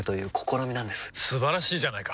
素晴らしいじゃないか！